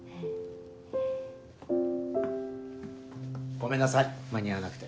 ごめんなさい間に合わなくて。